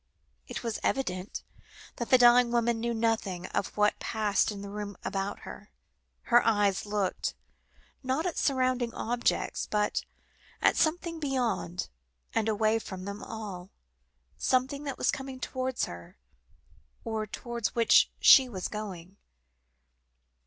It was evident that the dying woman knew nothing of what passed in the room about her; her eyes looked, not at surrounding objects, but at something beyond, and away from them all something that was coming towards her, or towards which she was going.